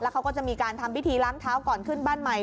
เขาก็จะมีการทำพิธีล้างเท้าก่อนขึ้นบ้านใหม่